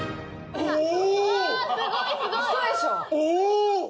おお！